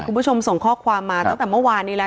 คุณผู้ชมส่งข้อความมาตั้งแต่เมื่อวานนี้แล้ว